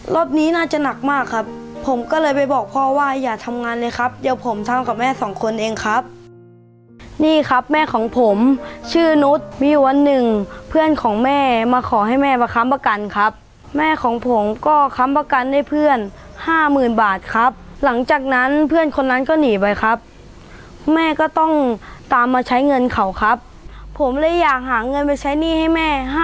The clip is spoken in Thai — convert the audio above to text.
นี้น่าจะหนักมากครับผมก็เลยไปบอกพ่อว่าอย่าทำงานเลยครับเดี๋ยวผมทำกับแม่สองคนเองครับนี่ครับแม่ของผมชื่อนุษย์มีวันหนึ่งเพื่อนของแม่มาขอให้แม่มาค้ำประกันครับแม่ของผมก็ค้ำประกันให้เพื่อนห้าหมื่นบาทครับหลังจากนั้นเพื่อนคนนั้นก็หนีไปครับแม่ก็ต้องตามมาใช้เงินเขาครับผมเลยอยากหาเงินไปใช้หนี้ให้แม่